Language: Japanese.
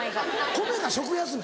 米が食休め？